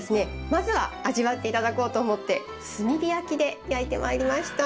まずは味わって頂こうと思って炭火焼きで焼いてまいりました。